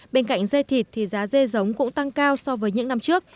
bên cạnh dê thịt thì giá dê giống cũng tăng cao so với những năm trước